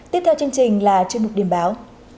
tiếp theo chương trình là chương trình điểm báo